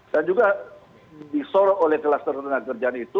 dan juga disorok oleh klaster ketenagakerjaan itu